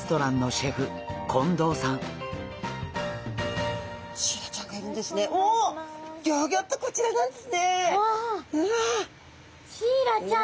シイラちゃん。